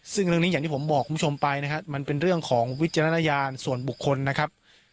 ซึ่งเรื่องนี้อย่างที่ผมบอกคุณผู้ชมไปนะครับมันเป็นเรื่องของวิจารณญาณส่วนบุคคลนะครับ